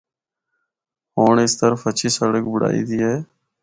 ہونڑ اس طرف ہچھی سڑک بنڑائی دی ہے۔